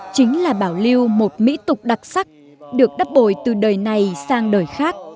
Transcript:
chính là bảo lưu một mỹ tục đặc sắc được đắp bồi từ đời này sang đời khác